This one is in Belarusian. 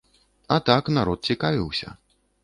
А так, народ цікавіўся.